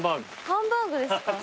ハンバーグですか？